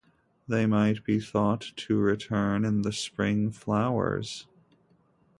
They might be thought to return in the spring flowers.